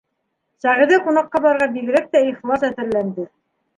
Сәғиҙә ҡунаҡҡа барырға бигерәк тә ихлас әҙерләнде.